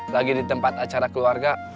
lagi di tempat acara keluarga